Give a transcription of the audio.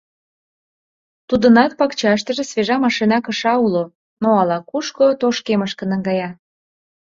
Тудынат пакчаштыже свежа машина кыша уло, но ала-кушко тошкемышке наҥгая.